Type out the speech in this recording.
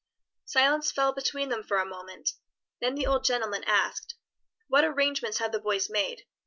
'" Silence fell between them for a moment, then the old gentleman asked, "What arrangements have the boys made?